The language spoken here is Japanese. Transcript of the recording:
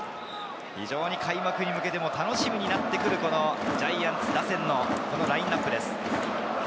開幕に向けても楽しみになってくるジャイアンツ打線のラインナップです。